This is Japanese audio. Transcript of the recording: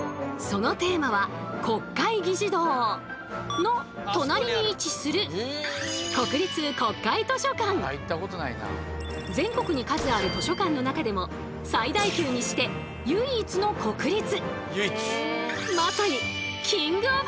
そのテーマは国会議事堂の隣に位置する全国に数ある図書館の中でも最大級にして唯一の国立！